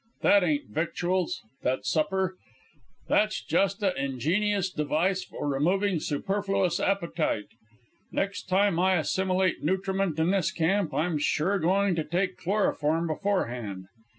That ain't victuals, that supper. That's just a' ingenious device for removing superfluous appetite. Next time I assimilate nutriment in this camp I'm sure going to take chloroform beforehand.